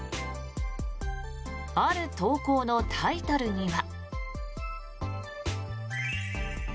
ある投稿のタイトルには。